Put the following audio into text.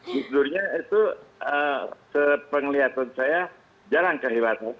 justru itu sepenglihatan saya jarang kehilangan